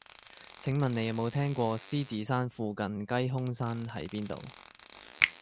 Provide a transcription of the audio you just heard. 請問你有無聽過獅子山附近雞胸山喺邊度